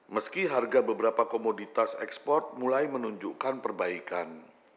meski harga beberapa komoditas ekspor mulai menunjukkan perbaikan